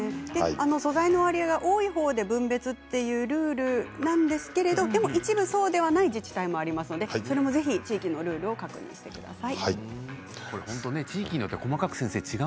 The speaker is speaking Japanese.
素材の割合が多いほうで分別というルールですが一部そうでない自治体もありますのでそれもぜひ地域のルールを確認してください。